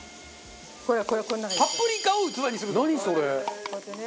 パプリカを器にするんですね。